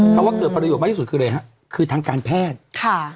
ว่าเกิดประโยชนมากที่สุดคืออะไรฮะคือทางการแพทย์ค่ะ